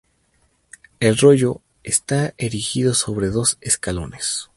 El rollo está erigido sobre dos escalones.